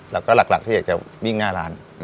แล้วก็หลักที่อยากจะวิ่งหน้าร้าน